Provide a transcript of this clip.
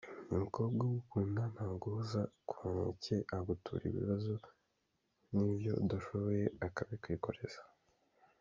Umukobwa ugukunda ntaguhoza ku nkeke agutura ibibazo ,n’ibyo udashoboye akabikwikoreza.